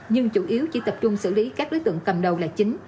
nhưng chủ yếu chỉ tập trung xử lý các đối tượng cầm đầu là chính